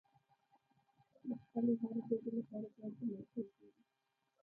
د خپلې هرې ژبې لپاره ځانته موقع ګوري.